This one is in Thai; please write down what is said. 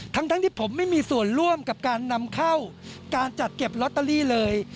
ทั้งที่ผมไม่มีส่วนร่วมกับการนำเข้าการจัดเก็บลอตเตอรี่เลย